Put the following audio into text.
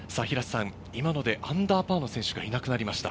今のでアンダーパーの選手がいなくなりました。